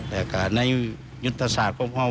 และในยุทธศาสตร์ของพร้อมความว่าง